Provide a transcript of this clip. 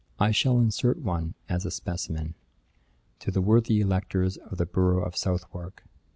I shall insert one as a specimen: 'TO THE WORTHY ELECTORS OF THE BOROUGH OF SOUTHWARK.